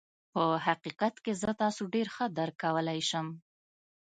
په حقيقت کې زه تاسو ډېر ښه درک کولای شم.